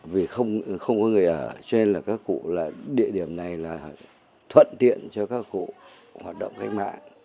vì không có người ở cho nên là các cụ là địa điểm này là thuận tiện cho các cụ hoạt động cách mạng